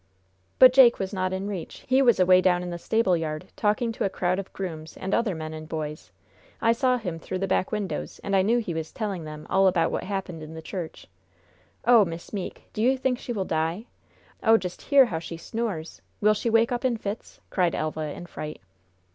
"But Jake was not in reach. He was away down in the stable yard, talking to a crowd of grooms and other men and boys. I saw him through the back windows, and I knew he was telling them all about what happened in the church. Oh, Miss Meeke, do you think she will die? Oh, just hear how she snores! Will she wake up in fits?" cried Elva, in fright.